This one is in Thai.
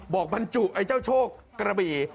บอกมันจุไอ้เจ้าโชคกระบี่